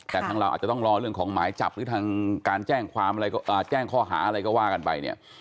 แต่ทางเราอาจจะต้องรอเรื่องของหมายจับหรือทางการแจ้งความอะไรแจ้งข้อหาอะไรก็ว่ากันไปเนี่ย